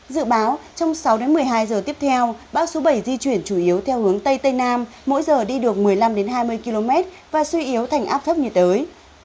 dự báo trong sáu một mươi hai giờ tiếp theo bão số bảy di chuyển chủ yếu theo hướng tây tây nam mỗi giờ đi được một mươi năm hai mươi km và suy yếu thành áp thấp nhiệt đới